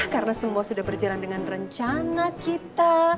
karena semua sudah berjalan dengan rencana kita